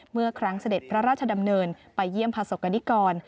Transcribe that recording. เมื่อครั้งเสด็จพระราชดำเนินไปเยี่ยมพระศกกรณิกร